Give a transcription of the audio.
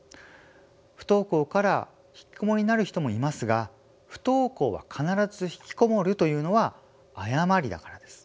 不登校から引きこもりになる人もいますが不登校は必ず引きこもるというのは誤りだからです。